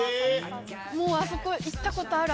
もうあそこ行った事ある。